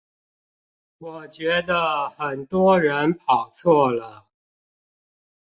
我覺得很多人跑錯了